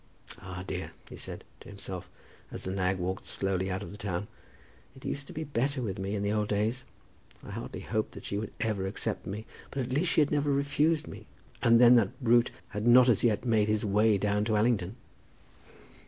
"Ah dear," he said, to himself, as the nag walked slowly out of the town, "it used to be better with me in the old days. I hardly hoped that she would ever accept me, but at least she had never refused me. And then that brute had not as yet made his way down to Allington!"